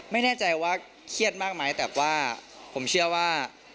ไม่แน่ใจว่าเครียดมากไหมแต่ว่าผมเชื่อว่า